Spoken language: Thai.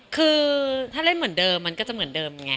คือถ้าเล่นเหมือนเดิมมันก็จะเหมือนเดิมไง